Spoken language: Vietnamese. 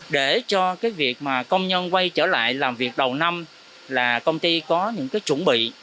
để cho cái việc mà công nhân quay trở lại làm việc đầu năm là công ty có những cái chuẩn bị